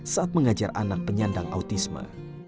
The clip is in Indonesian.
saat mengajar anak penyandang autisme